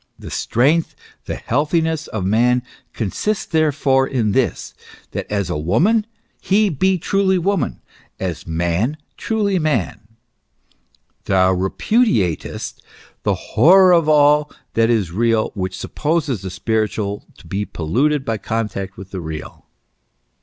The strength, the healthiness of man, consists there fore in this : that as a woman, he be truly woman ; as man, truly man. Thou repudiatest " the horror of all that is real, which supposes the spiritual to be polluted by contact with the real."